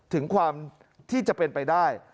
ถึงความที่จะเป็นไปได้